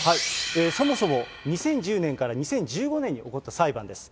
そもそも２０１０年から２０１５年に起こった裁判です。